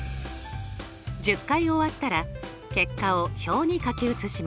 １０回終わったら結果を表に書き写します。